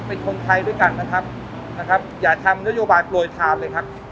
เป็นคนไทยด้วยกันนะครับนะครับอย่าทำนโยบายโปรยทานเลยครับ